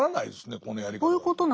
このやり方だと。